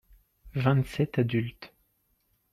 vingt sept adultes.